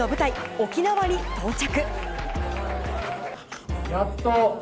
沖縄に到着。